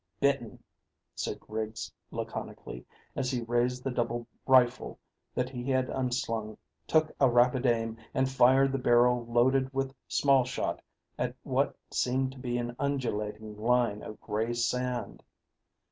"Bitten," said Griggs laconically, as he raised the double rifle that he had unslung, took a rapid aim, and fired the barrel loaded with small shot at what seemed to be an undulating line of grey sand.